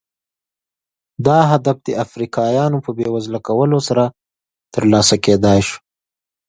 دا هدف د افریقایانو په بېوزله کولو سره ترلاسه کېدای شو.